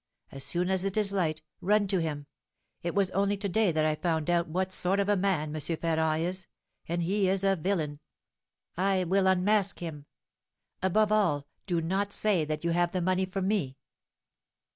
As soon as it is light, run to him. It was only to day that I found out what sort of a man M. Ferrand is; and he is a villain. I will unmask him. Above all, do not say that you have the money from me.'